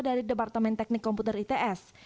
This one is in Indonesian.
dari departemen teknik komputer its